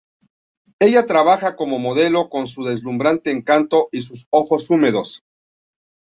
Ella trabaja como modelo con su deslumbrante encanto y sus ojos húmedos.